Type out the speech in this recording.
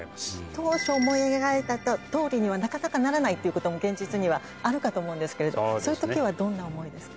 当初思い描いてたとおりにはなかなかならないということも現実にはあるかと思うんですけどそういう時はどんな思いですか？